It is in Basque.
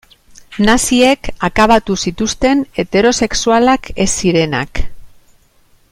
Naziek akabatu zituzten heterosexualak ez zirenak.